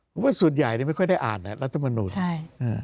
ผมว่าส่วนใหญ่เนี่ยไม่ค่อยได้อ่านน่ะรัฐมนุษย์ใช่